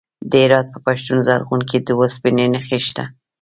د هرات په پښتون زرغون کې د وسپنې نښې شته.